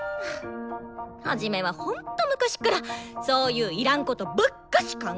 ハジメはほんっと昔っからそういういらんことばっかし考えて！